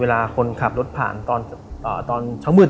คนขับรถผ่านตอนเช้ามืด